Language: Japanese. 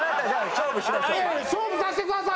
勝負させてくださいよ！